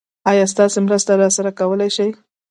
ايا تاسې مرسته راسره کولی شئ؟